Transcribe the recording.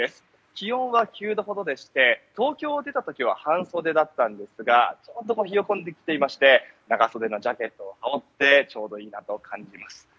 気温は９度ほどでして東京を出た時は半袖だったんですがこちらは冷え込んできていまして長袖のジャケットを羽織ってちょうどいいと感じています。